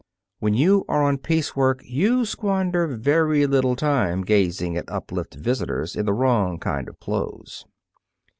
When you are on piece work you squander very little time gazing at uplift visitors in the wrong kind of clothes.